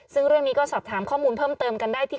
ซึ่งเรื่องนี้ก็สอบถามข้อมูลเพิ่มเติมกันได้ที่